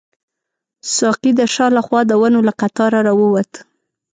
ساقي د شا له خوا د ونو له قطاره راووت.